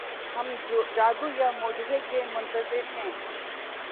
ہم جادو یا معجزے کے منتظر ہیں۔